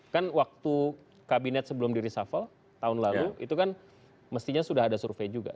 kan waktu kabinet sebelum di reshuffle tahun lalu itu kan mestinya sudah ada survei juga